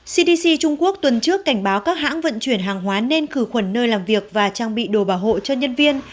cdc trung quốc tuần trước cảnh báo các hãng vận chuyển hàng hóa nên khử khuẩn nơi làm việc và trang bị đồ bảo hộ cho nhân viên